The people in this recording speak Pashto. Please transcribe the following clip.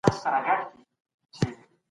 تاسو له هري تجربې څخه یو څه زده کوئ.